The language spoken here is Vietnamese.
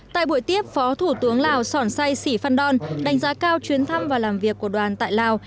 tại buổi tiếp phó thủ tướng lào sòn say sì phan đon đánh giá cao chuyến thăm và làm việc của đoàn tại lào